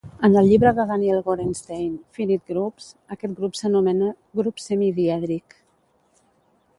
En el llibre de Daniel Gorenstein, Finite Groups, aquest grup s'anomena grup semidièdric